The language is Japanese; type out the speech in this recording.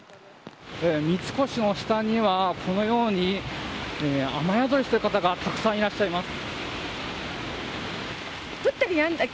三越の下にはこのように雨宿りしてる方がたくさんいらっしゃいます。